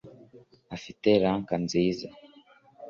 afite rack nziza